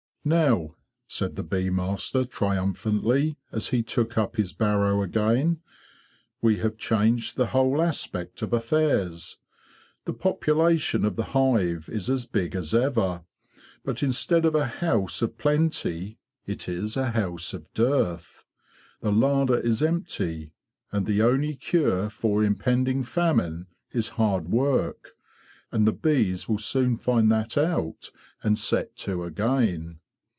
"Now," said the bee master triumphantly, as he took up his barrow again, '' we have changed the whole aspect of affairs. The population of the hive is as big as ever; but instead of a house of plenty it is a house of dearth. The larder is empty, and the only cure for impending famine is hard work; and the bees will soon find that out and set to again.